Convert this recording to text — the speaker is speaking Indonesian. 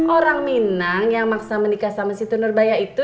orang minang yang maksa menikah sama situ nurbaya itu